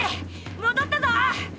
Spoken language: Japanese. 戻ったぞ！